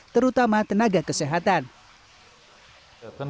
terutama tenaga kesehatan